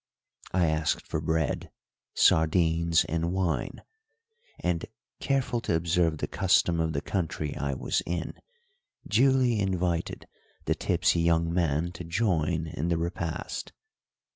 I asked for bread, sardines, and wine, and, careful to observe the custom of the country I was in, duly invited the tipsy young man to join in the repast.